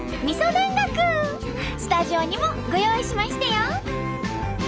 スタジオにもご用意しましたよ！